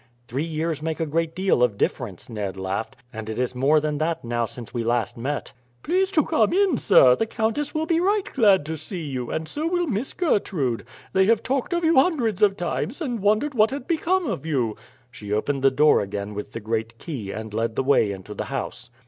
"Three years make a great deal of difference," Ned laughed; "and it is more than that now since we last met." "Please to come in, sir; the countess will be right glad to see you, and so will Miss Gertrude. They have talked of you hundreds of times, and wondered what had become of you." She opened the door again with the great key, and led the way into the house.